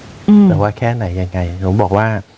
แต่ว่าแค่ไหนยังไงผมบอกว่า